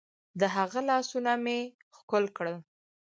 د هغه لاسونه مې ښکل کړل.